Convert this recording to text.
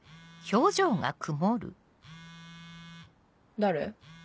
誰？